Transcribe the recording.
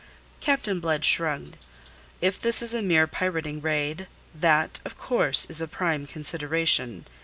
Captain Blood shrugged. "If this is a mere pirating raid, that, of course, is a prime consideration.